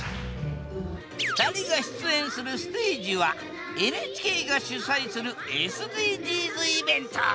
２人が出演するステージはＮＨＫが主催するＳＤＧｓイベント！